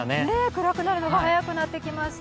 暗くなるのが早くなってきました。